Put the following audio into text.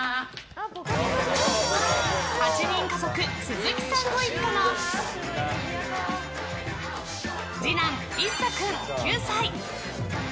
８人家族、鈴木さんご一家の次男・一颯君、９歳。